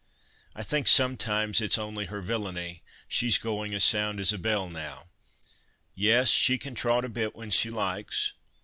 "I think sometimes it's only her villany; she's going as sound as a bell now. Yes! she can trot a bit when she likes."